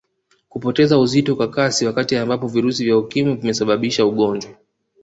Kupoteza uzito kwa kasi wakati ambapo virusi vya Ukimwi vimeshasababisha ugonjwa